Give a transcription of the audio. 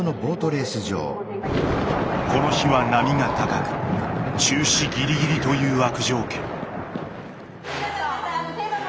この日は波が高く中止ギリギリという悪条件。